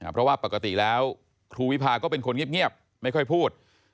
เพราะว่าปกติแล้วครูวิพาก็เป็นคนเงียบไม่ค่อยพูด